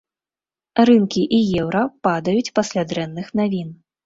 Рынкі і еўра падаюць пасля дрэнных навін.